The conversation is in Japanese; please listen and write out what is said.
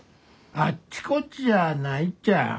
あっちこっちじゃないっちゃ。